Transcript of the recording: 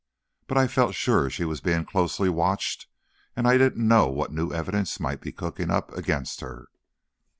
But I felt sure she was being closely watched, and I didn't know what new evidence might be cooking up against her.